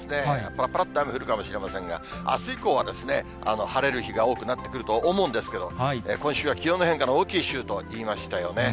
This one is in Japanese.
ぱらぱらっと雨降るかもしれませんが、あす以降は晴れる日が多くなってくると思うんですけど、今週は気温の変化の大きい週と言いましたよね。